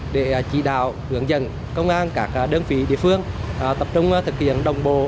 để chỉ đạo hướng dẫn công an các đơn vị địa phương tập trung thực hiện đồng bộ